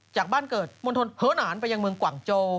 จากบ้านเกิดมณฑลเหินหนานไปยังเมืองกว่างโจ